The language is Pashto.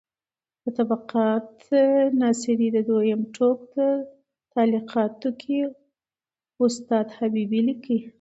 د طبقات ناصري د دویم ټوک په تعلیقاتو کې استاد حبیبي لیکي: